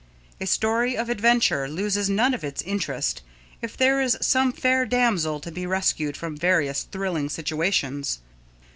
A story of adventure loses none of its interest if there is some fair damsel to be rescued from various thrilling situations.